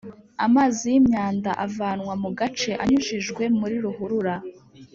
amazi yimyanda avanwa mu gace anyujijwe muri ruhurura